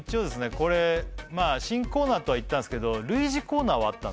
これ新コーナーとは言ったんですけど類似コーナーあったね